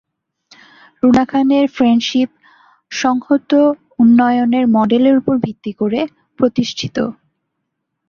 রুনা খানের ফ্রেন্ডশিপ "সংহত উন্নয়নের" মডেলের উপর ভিত্তি করে প্রতিষ্ঠিত।